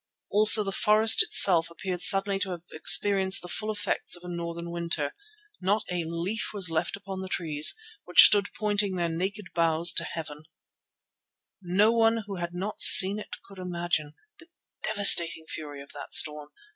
Also the forest itself appeared suddenly to have experienced the full effects of a northern winter. Not a leaf was left upon the trees, which stood there pointing their naked boughs to heaven. No one who had not seen it could imagine the devastating fury of that storm.